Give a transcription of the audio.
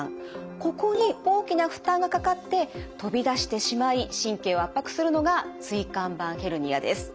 ここに大きな負担がかかって飛び出してしまい神経を圧迫するのが椎間板ヘルニアです。